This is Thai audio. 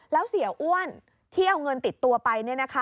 แล้วเสียอ้วนที่เอาเงินติดตัวไป